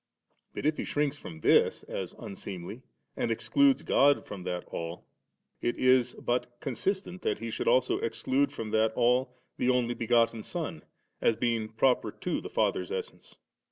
But if he shrinks from this as unseemly, and excludes God from that all, it is but con sistent that he should also exclude from that all the Only Begotten Son, as being proper to the Father's essence.